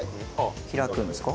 開くんですか？